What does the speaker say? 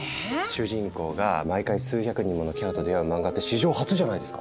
主人公が毎回数百人ものキャラと出会う漫画って史上初じゃないですか？